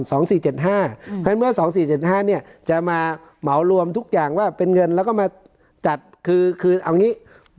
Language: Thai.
เพราะฉะนั้นเมื่อ๒๔๗๕เนี่ยจะมาเหมารวมทุกอย่างว่าเป็นเงินแล้วก็มาจัดคือเอางี้